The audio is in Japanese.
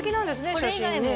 写真ね